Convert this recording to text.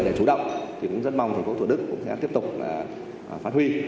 để chủ động chúng ta rất mong thành phố thủ đức cũng sẽ tiếp tục phát huy